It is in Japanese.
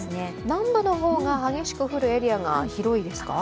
南部の方が激しく降るエリアが広いですか。